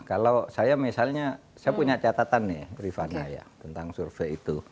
kalau saya misalnya saya punya catatan nih rifana ya tentang survei itu